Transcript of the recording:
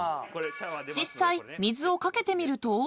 ［実際水を掛けてみると］